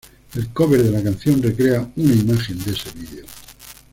El cover de la canción recrea una imagen de ese vídeo.